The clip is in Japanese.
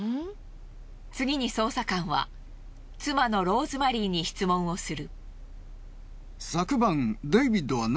次に捜査官は妻のローズマリーに質問をする。